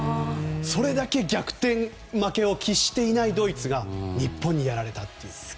それだけ逆転負けを喫していないドイツが日本にやられたという。